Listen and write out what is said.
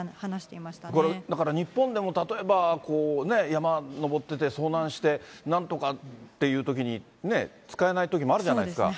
これだから、日本でも例えば、山登ってて遭難して、なんとかっていうときに、使えないときもあるじゃないですか。